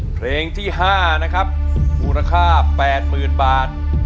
เพลงที่๕นะครับมูลค่า๘๐๐๐บาท